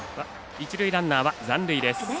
一塁ランナーは残塁。